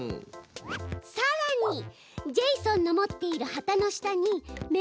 さらにジェイソンのもっている旗の下に命令をつけて。